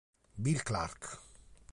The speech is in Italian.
Bill Clark